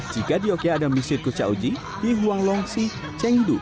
jika di okly ada mie sirkus cauji di huanglong shi chengdu